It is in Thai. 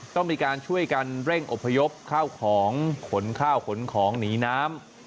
ต้องมีการช่วยกันเร่งอบพยพข้าวของขนข้าวขนของหนีน้ำ